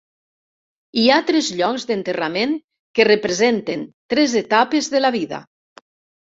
Hi ha tres llocs d'enterrament que representen tres etapes de la vida.